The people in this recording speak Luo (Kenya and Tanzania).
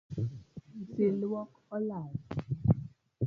Usi luok olalna